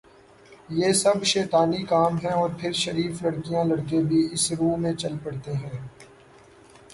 یہ سب شیطانی کام ہیں اور پھر شریف لڑکیاں لڑکے بھی اس رو میں چل پڑتے ہیں